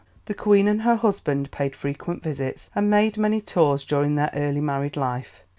'" The Queen and her husband paid frequent visits, and made many tours during their early married life.